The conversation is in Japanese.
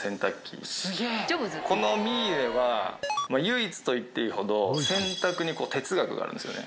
このミーレは唯一と言っていいほど洗濯に哲学があるんですよね。